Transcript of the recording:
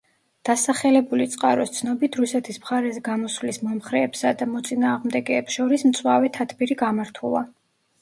დასახელებული წყაროს ცნობით რუსეთის მხარეზე გამოსვლის მომხრეებსა და მოწინააღმდეგებს შორის მწვავე თათბირი გამართულა.